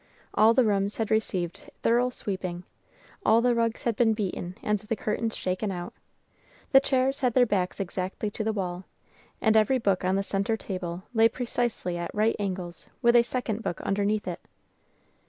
All the rooms had received thorough sweeping, all the rugs had been beaten and the curtains shaken out, the chairs had their backs exactly to the wall, and every book on the centre table lay precisely at right angles with a second book underneath it.